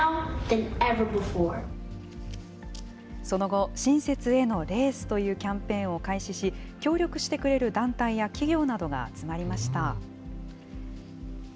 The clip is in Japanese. その後、親切へのレースというキャンペーンを開始し、協力してくれる団体や企業などが集まりました。